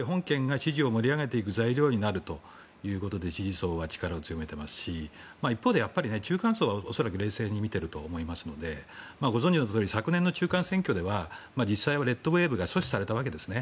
本件が支持を盛り上げていく材料になると支持層は力を強めていますし一方で中間層は恐らく冷静に見ていると思いますのでご存じのとおり昨年の中間選挙ではレッドウェーブが阻止されたんですね。